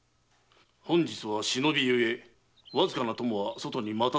本日は忍びゆえわずかな供は外に待たせてある。